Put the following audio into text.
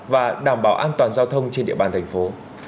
và đảm bảo an toàn giao thông trên địa bàn thành phố